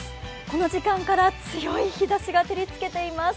この時間から強い日ざしが照りつけています。